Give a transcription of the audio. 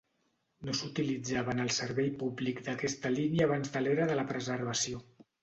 No s'utilitzava en el servei públic d'aquesta línia abans de l'era de la preservació.